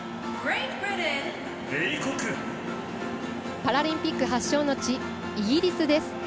パラリンピック発祥の地イギリスです。